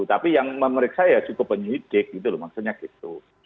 tapi yang memeriksa ya cukup penyidik gitu loh maksudnya gitu